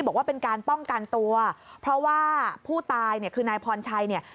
บอกว่าเป็นการป้องกันตัวเพราะว่าผู้ตายเนี่ยคือนายพรชัยเนี่ย